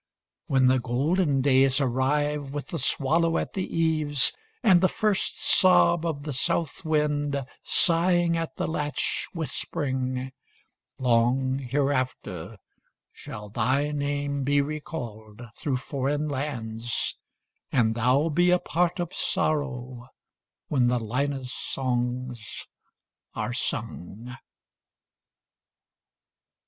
When the golden days arrive, With the swallow at the eaves, And the first sob of the south wind Sighing at the latch with spring, 40 Long hereafter shall thy name Be recalled through foreign lands, And thou be a part of sorrow When the Linus songs are sung.